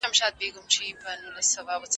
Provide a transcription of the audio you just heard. قومي مشران د ډیموکراتیکي رایې ورکولو حق نه لري.